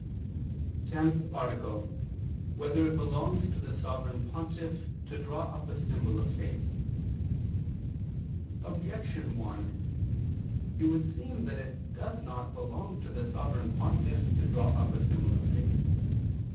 _______________________ TENTH ARTICLE [II II, Q. 1, Art. 10] Whether It Belongs to the Sovereign Pontiff to Draw Up a Symbol of Faith? Objection 1: It would seem that it does not belong to the Sovereign Pontiff to draw up a symbol of faith.